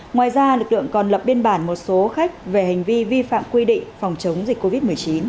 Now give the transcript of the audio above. ngoài ra lực lượng còn lập biên bản một số khách về hành vi vi phạm quy định phòng chống dịch covid một mươi chín